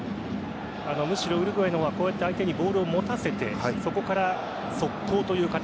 ウルグアイの方が相手にボールを持たせてそこから速攻という形。